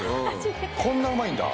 こんなうまいんだ。